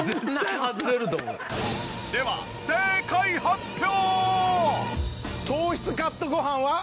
では正解発表！